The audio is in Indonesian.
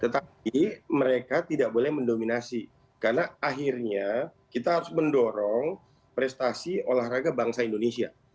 tetapi mereka tidak boleh mendominasi karena akhirnya kita harus mendorong prestasi olahraga bangsa indonesia